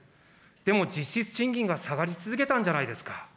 でも、実質賃金が下がり続けたんじゃないですか。